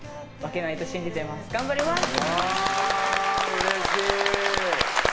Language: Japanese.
うれしい！